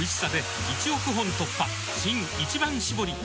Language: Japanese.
新「一番搾り」